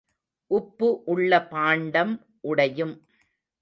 உப்பு உள்ள பாண்டம் உடையும்.